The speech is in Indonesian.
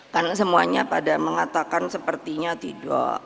karena semuanya pada mengatakan sepertinya tidak